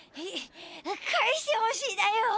返してほしいだよ。